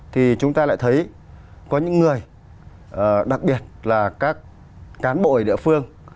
thì chúng ta lại thấy có những người đặc biệt là các cán bội địa phương